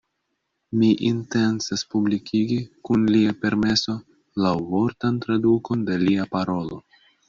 Mi intencas publikigi, kun lia permeso, laŭvortan tradukon de lia parolo.